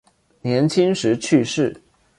年轻时去世。